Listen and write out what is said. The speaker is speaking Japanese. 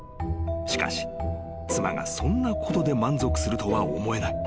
［しかし妻がそんなことで満足するとは思えない］